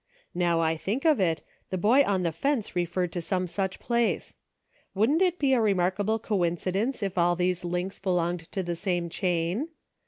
Now I think of it, the boy on the fence referred to some such place. Wouldn't it be a remarkable coincidence if all these links belonged to the same chain